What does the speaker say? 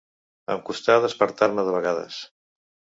Em costar despertar-me, de vegades.